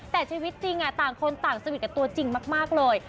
แต่ชีวิตจริงต่างคนต่างสวิทย์กับตัวจริงมากเลย